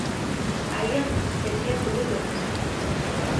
Ɛyiɣ deg uskasi d wid ur nessin.